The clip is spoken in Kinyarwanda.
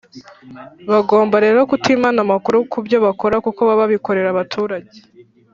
Bagomba rero kutimana amakuru ku byo bakora kuko baba babikorera abaturage.